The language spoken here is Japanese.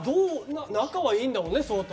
仲はいいんだもんね、総統。